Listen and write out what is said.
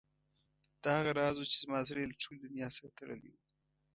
دا هغه راز و چې زما زړه یې له ټولې دنیا سره تړلی و.